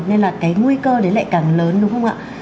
nên là cái nguy cơ đấy lại càng lớn đúng không ạ